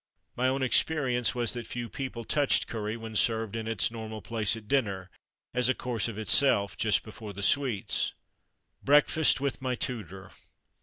My own experience was that few people touched curry when served in its normal place at dinner as a course of itself just before the sweets. "Breakfast with my tutor!"